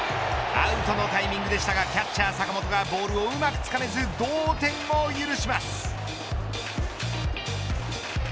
アウトのタイミングでしたがキャッチャー坂本がボールをうまくつかめず同点を許します。